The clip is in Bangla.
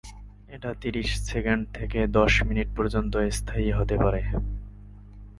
এটা ত্রিশ সেকেন্ড থেকে দশ মিনিট পর্যন্ত স্থায়ী হতে পারে।